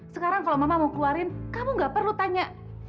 sekarang kalau mama mau keluarin kamu gak perlu tanya